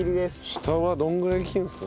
下はどのぐらい切るんですか？